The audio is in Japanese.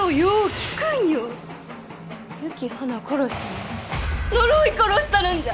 雪花殺したもん呪い殺したるんじゃ！